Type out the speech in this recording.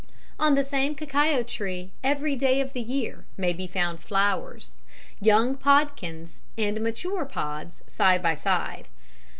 On the same cacao tree every day of the year may be found flowers, young podkins and mature pods side by side.